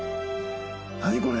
何これ。